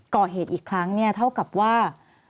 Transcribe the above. ก่อเหตุอีกครั้งเนี่ยเท่ากับว่า